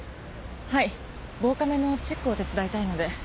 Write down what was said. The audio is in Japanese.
はい防カメのチェックを手伝いたいので。